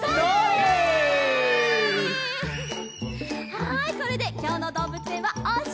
はいこれできょうのどうぶつえんはおしまい。